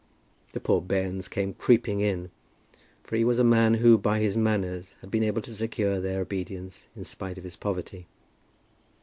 The poor bairns came creeping in, for he was a man who by his manners had been able to secure their obedience in spite of his poverty.